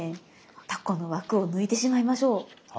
タコの枠を抜いてしまいましょう。